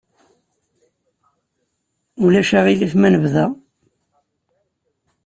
Ulac aɣilif ma nebda?